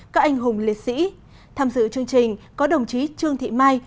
các anh hùng liệt sĩ tham dự chương trình có đồng chí trương thị mai